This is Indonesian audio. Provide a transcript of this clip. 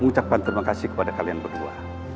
mengucapkan terima kasih kepada kalian berdua